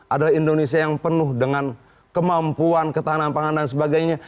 adalah indonesia yang penuh dengan kemampuan ketahanan pangan dan sebagainya